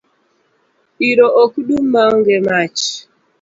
Iro ok dum maonge mach